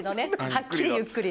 はっきりゆっくり。